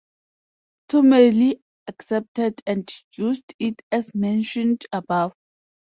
Ptolemy accepted and used it, as mentioned above.